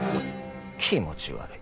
気持ち悪い。